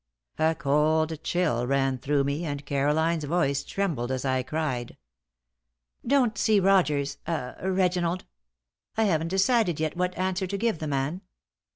A cold chill ran through me, and Caroline's voice trembled as I cried: "Don't see Rogers ah Reginald! I haven't decided yet what answer to give the man.